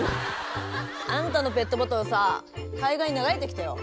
あんたのペットボトルさ海岸に流れてきたよ。